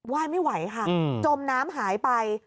ยไม่ไหวค่ะจมน้ำหายไป